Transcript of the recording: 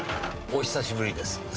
お久しぶりです。